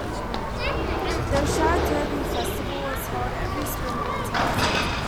The Shad Derby Festival is held every spring in the town center.